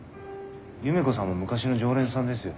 夢子さんも昔の常連さんですよ。